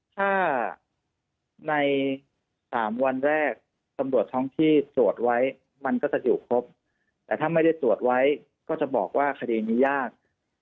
ถ้าใน๓วันแรกตำรวจท้องที่ตรวจไว้มันก็จะอยู่ครบแต่ถ้าไม่ได้ตรวจไว้ก็จะบอกว่าคดีนี้ยาก